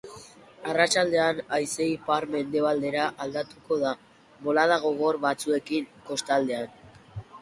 Arratsaldean, haizea ipar-mendebaldera aldatuko da, bolada gogor batzuekin kostaldean.